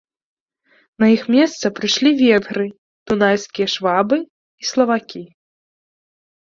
На іх месца прыйшлі венгры, дунайскія швабы і славакі.